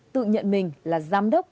tự nhận mình là giám đốc